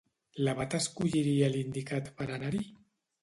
L'abat escolliria l'indicat per anar-hi?